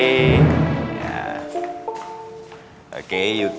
indra kamu maju dua